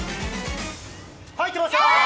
入ってました！